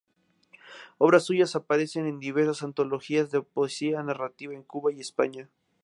Obras suyas aparecen en diversas antologías de poesía y narrativa en Cuba y España.